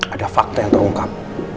ada fakta yang terungkap